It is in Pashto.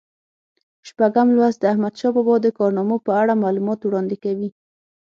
شپږم لوست د احمدشاه بابا د کارنامو په اړه معلومات وړاندې کوي.